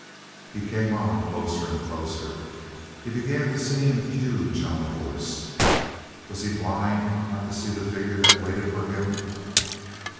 He came on closer and closer. He began to seem huge on the horse. Was he blind not to see the figure that waited for him?